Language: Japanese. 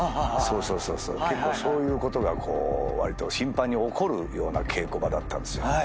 結構そういうことがわりと頻繁に起こるような稽古場だったんですよ。